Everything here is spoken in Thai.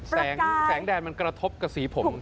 แสงแดดมันกระทบกับสีผม